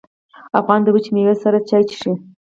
افغانان د وچې میوې سره چای څښي.